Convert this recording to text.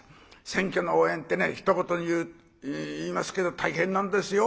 選挙の応援ってひと言に言いますけど大変なんですよ。